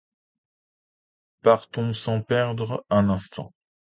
Partons sans perdre un instant.